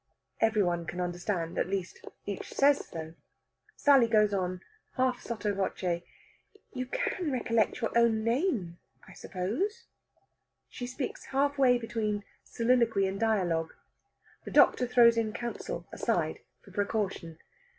Every one can understand at least, each says so. Sally goes on, half sotto voce: "You can recollect your own name, I suppose?" She speaks half way between soliloquy and dialogue. The doctor throws in counsel, aside, for precaution.